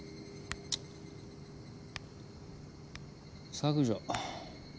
削除。